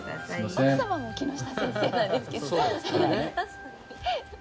奥様も木下先生なんですけれど。